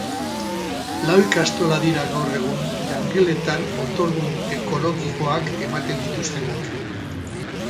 Lau ikastola dira gaur egun jangeletan otordu ekologikoak ematen dituztenak.